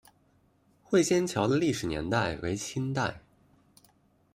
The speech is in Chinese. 会仙桥的历史年代为清代。